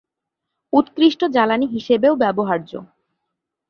উৎকৃষ্ট জ্বালানি হিসেবেও ব্যবহার্য।